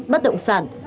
bất động sản